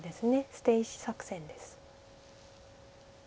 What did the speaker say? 捨て石作戦です。